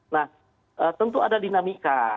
nah tentu ada dinamika